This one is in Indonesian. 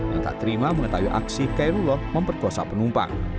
dan tak terima mengetahui aksi kairullah memperkosa penumpang